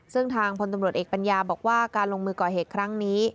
ซึ่งทางพลตำรวจเอกปัญญาบอกว่าการลงมือก่อเหตุครั้งนี้